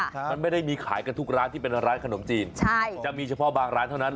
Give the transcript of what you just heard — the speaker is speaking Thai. มันไม่ได้มีขายกันทุกร้านที่เป็นร้านขนมจีนใช่จะมีเฉพาะบางร้านเท่านั้น